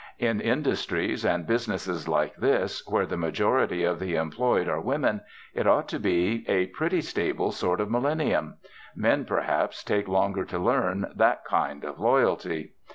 In industries and businesses like this, where the majority of the employed are women, it ought to be a pretty stable sort of millennium. Men, perhaps, take longer to learn that kind of 'loyalty.'